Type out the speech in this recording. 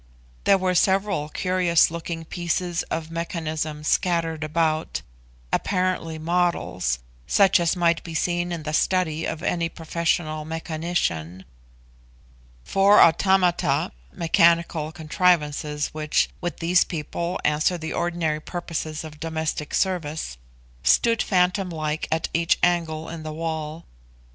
There were several curious looking pieces of mechanism scattered about, apparently models, such as might be seen in the study of any professional mechanician. Four automata (mechanical contrivances which, with these people, answer the ordinary purposes of domestic service) stood phantom like at each angle in the wall.